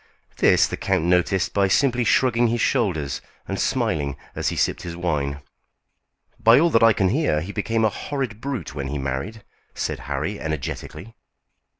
This the count noticed by simply shrugging his shoulders and smiling as he sipped his wine. "By all that I can hear he became a horrid brute when he married," said Harry, energetically.